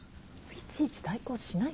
いちいち対抗しないの。